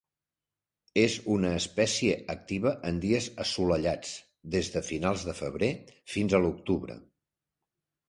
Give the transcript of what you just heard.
És una espècia activa en dies assolellats des de finals de febrer fins a l'octubre.